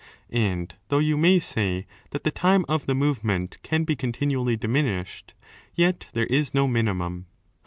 And though you may say that the time of the movement can be continually 10 diminished, yet there is no minimum.